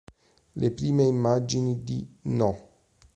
Le prime immagini di "No.